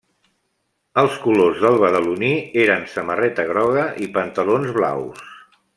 Els colors del Badaloní eren samarreta groga i pantalons blaus.